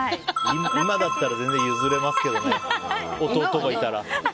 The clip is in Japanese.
今だったら全然譲れますけどね弟がいたら。